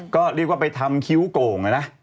ก็เรียกว่าไปทำคิ้วโก่งนะ